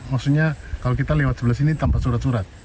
maksudnya kalau kita lewat sebelah sini tanpa surat surat